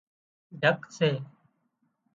ڍڪ سي